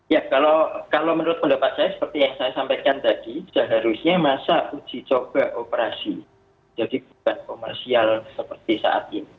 ya kalau menurut pendapat saya seperti yang saya sampaikan tadi seharusnya masa uji coba operasi jadi bukan komersial seperti saat ini